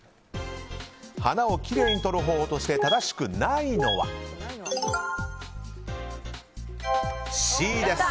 花をきれいに撮る方法として正しくないのはＣです。